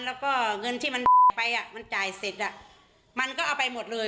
แล้วก็เงินที่มันไปอ่ะมันจ่ายเสร็จมันก็เอาไปหมดเลย